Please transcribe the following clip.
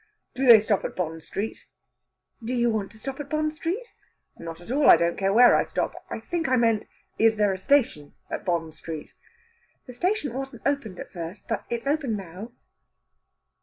"Do they stop at Bond Street?" "Do you want to stop at Bond Street?" "Not at all. I don't care where I stop. I think I meant is there a station at Bond Street?" "The station wasn't opened at first. But it's open now."